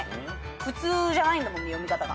普通じゃないんだもん読み方が。